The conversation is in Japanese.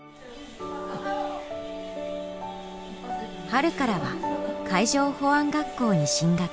春からは海上保安学校に進学。